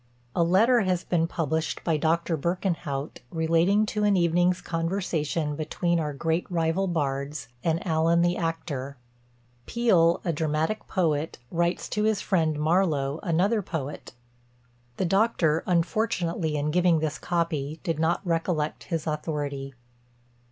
A letter has been published by Dr. Berkenhout relating to an evening's conversation between our great rival bards, and Alleyn the actor. Peele, a dramatic poet, writes to his friend Marlow, another poet. The Doctor unfortunately in giving this copy did not recollect his authority.